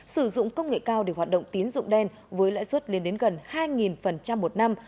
sử dụng công nghệ cao để hoạt động tiến dụng đen với lãi suất lên đến gần hai một năm